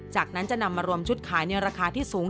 จากนั้นจะนำมารวมชุดขายในราคาที่สูง